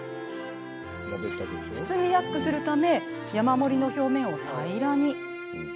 包みやすくするため山盛りの表面を平らに。